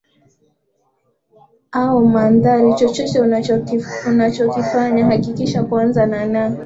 au mandhari Chochote unachokifanya hakikisha kuanza na